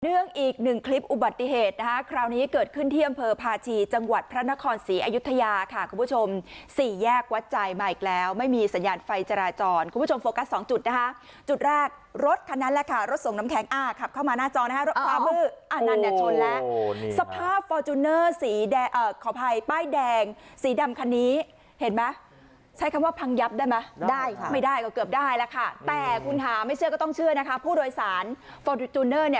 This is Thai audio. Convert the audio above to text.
เนื่องอีกหนึ่งคลิปอุบัติเหตุนะฮะคราวนี้เกิดขึ้นที่อำเภอพาชีจังหวัดพระนครศรีอยุธยาค่ะคุณผู้ชมสี่แยกวัดใจมาอีกแล้วไม่มีสัญญาณไฟจราจรคุณผู้ชมโฟกัสสองจุดนะฮะจุดแรกรถคันนั้นแหละค่ะรถส่งน้ำแข็งอ้าขับเข้ามาหน้าจองนะฮะรถป้ามืออันนั้นเนี่ยชนแล้วสภาพฟอร์จ